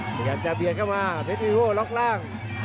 แล้วกันจะเบียดเข้ามาเพชรวีโว้เรล็กล่าง